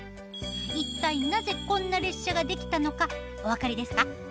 一体なぜこんな列車ができたのかお分かりですか？